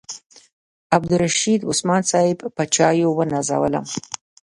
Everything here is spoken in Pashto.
عبدالرشید عثمان صاحب په چایو ونازولم.